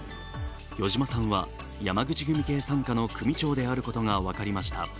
余嶋さんは山口組系傘下の組長であることが分かりました。